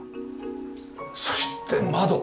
そして窓。